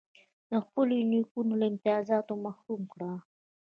د خپلو نیکونو له امتیازاتو محروم کړ.